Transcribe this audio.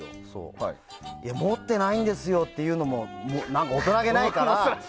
持ってないんですよって言うのも大人げないから。